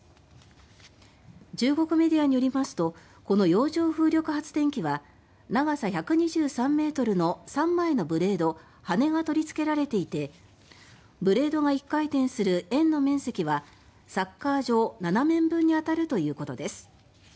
中国メディアによりますとこの洋上風力発電機は長さ１２３ｍの３枚のブレード・羽が取りつけられていてブレードが１回転する円の面積はサッカー場７面分の面積に当たるということです。